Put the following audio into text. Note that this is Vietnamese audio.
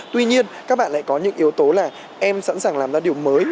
tuy nhiên các bạn lại có những yếu tố là em sẵn sàng làm ra điều mới